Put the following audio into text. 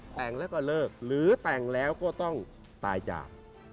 แต่งแล้วก็เลิกหรือแต่งแล้วก็ต้องตายจาก